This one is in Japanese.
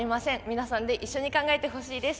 皆さんで一緒に考えてほしいです。